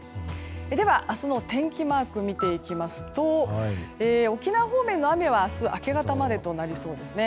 では、明日の天気マーク見ていきますと沖縄方面の雨は明日明け方までとなりそうですね。